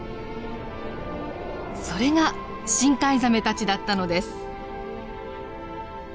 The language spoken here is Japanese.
それが深海ザメたちだったのです。